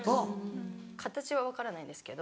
形は分からないですけど。